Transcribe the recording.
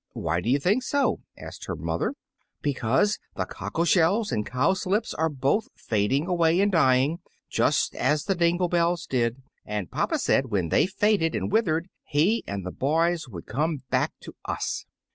"Why do you think so?" asked her mother. "Because the cockle shells and cowslips are both fading away and dying, just as the dingle bells did, and papa said when they faded and withered he and the boys would come back to us."